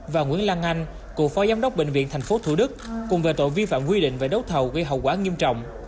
và nguyễn lan anh cựu phó giám đốc bệnh viện tp thủ đức cùng về tội vi phạm quy định về đấu thầu gây hậu quả nghiêm trọng